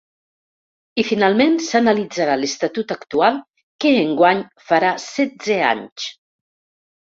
I, finalment, s’analitzarà l’estatut actual, que enguany farà setze anys.